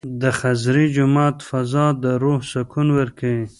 د خضري جومات فضا د روح سکون ورکوي.